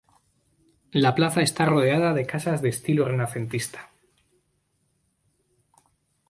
La plaza está rodeada de casas de estilo renacentista.